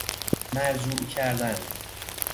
مرجوع کردن